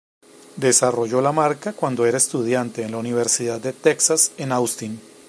Desarrolló la marca cuando era estudiante en la Universidad de Texas en Austin.